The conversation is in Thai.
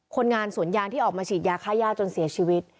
คนงานสวนยางที่ออกมาฉีดยาค่าย่าจนเสียชีวิต